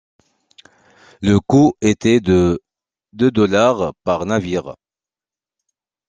Le coût était de de dollars par navire.